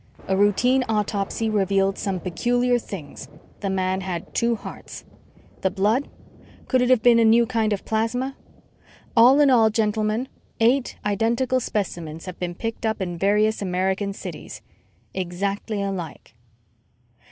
A routine autopsy revealed some peculiar things ... The man had two hearts.... The blood? Could it have been a new kind of plasma?... _All in all, gentlemen, eight identical specimens have been picked up in various American cities ... Exactly alike....